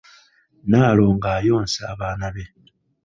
Nnaalongo ayonsa abaana be.